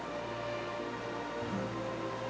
ขอต้อนรับคุณพ่อตั๊กนะครับ